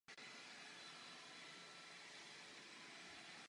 Trojúhelníkový štít zdobí nika se soškou Madony.